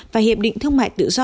và hiệp định thương mại tự do